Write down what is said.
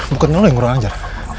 bukannya lo yang kurang ajar